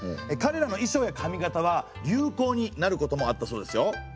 かれらの衣装や髪形は流行になることもあったそうですよ。